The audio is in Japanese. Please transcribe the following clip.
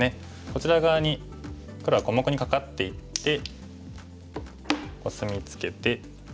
こちら側に黒は小目にカカっていってコスミツケて。